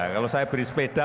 kalau saya beri sepeda